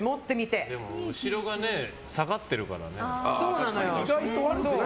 でも後ろが下がってるからね。